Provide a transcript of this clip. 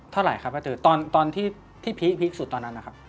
เท่าไหร่ครับป้าตือตอนที่พีคสุดตอนนั้นนะครับ